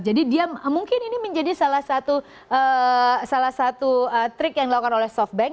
jadi dia mungkin ini menjadi salah satu trik yang dilakukan oleh softbank